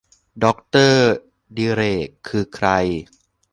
ดอกเตอร์ดิเรก คือใคร